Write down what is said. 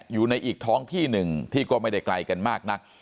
อยู่ในอีกท้องที่หนึ่งที่ก็ไม่ได้ไกลกันมากนัก